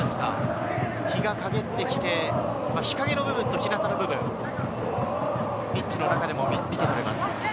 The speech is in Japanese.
日が陰って来て日陰の部分と日なたの部分、ピッチの中でも見てとれます。